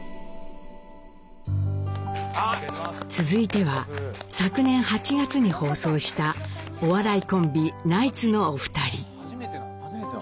続いては昨年８月に放送したお笑いコンビ「ナイツ」のお二人。